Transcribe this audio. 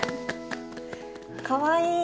かわいい！